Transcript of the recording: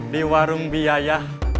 di warung biaya